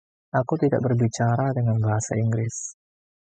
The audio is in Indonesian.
Aku tidak berbicara dengan bahasa Inggris.